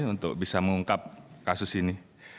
untuk bisa mengungkap kasus ini